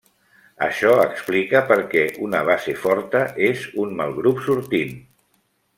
Això explica per què una base forta és un mal grup sortint.